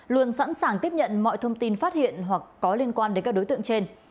luôn sẵn sàng tiếp nhận mọi thông tin phát hiện hoặc có liên quan đến các đối tượng trên